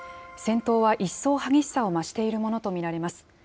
戦闘は一層激しさを増しているものと見られます。